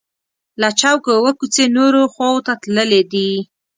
له چوکه اووه کوڅې نورو خواو ته تللي دي.